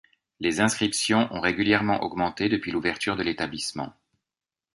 Les inscriptions ont régulièrement augmenté depuis l'ouverture de l'établissement.